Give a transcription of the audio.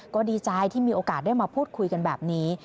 ก็ดีใจที่มีโอกาสได้มาพูดคุยกันแบบนี้